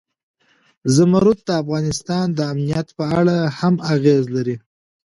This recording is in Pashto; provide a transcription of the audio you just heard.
زمرد د افغانستان د امنیت په اړه هم اغېز لري.